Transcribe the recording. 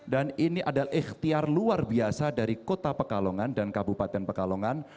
dan ini adalah ikhtiar luar biasa dari kota pekalongan dan kabupaten pekalongan